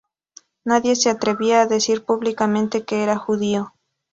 Nadie se atrevía a decir públicamente que era judío.